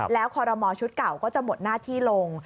แล้วคอรมอชุดเก่าก็จะหมดหน้าที่ลง